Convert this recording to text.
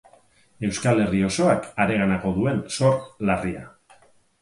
Euskal Herri osoak harenganako duen zor larria.